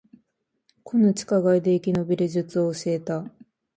この地下街で生き延びる術を教えた